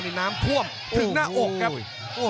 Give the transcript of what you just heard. นี่น้ำท่วมถึงหน้าอกครับ